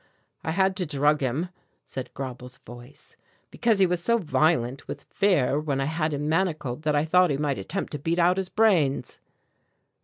"I had to drug him," said Grauble's voice, "because he was so violent with fear when I had him manacled that I thought he might attempt to beat out his brains."